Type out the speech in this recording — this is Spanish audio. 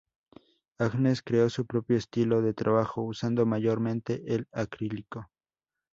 Agnes creó su propio estilo de trabajo, usando mayormente el acrílico.